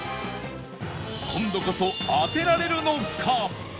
今度こそ当てられるのか？